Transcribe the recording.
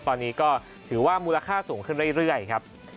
ตอนนี้ก็ถือว่ามูลค่าสูงขึ้นเรื่อยครับ